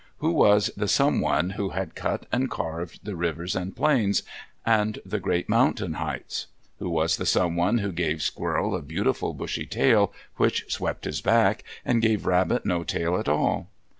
Who was the Someone who had cut and carved the rivers and plains and great mountain heights? Who was the Someone who gave Squirrel a beautiful bushy tail which swept his back, and gave Rabbit no tail at all?